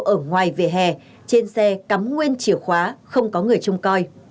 ở ngoài về hè trên xe cắm nguyên chìa khóa không có người chung coi